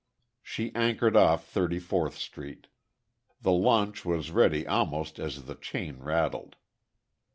She anchored off Thirty Fourth Street. The launch was ready almost as the chain rattled.